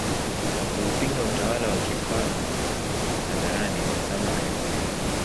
kuupinga utawala wa kifalm hadharani Osama alivuliwa